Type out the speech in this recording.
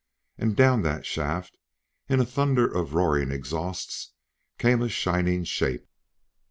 And down the shaft, in a thunder of roaring exhausts, came a shining shape.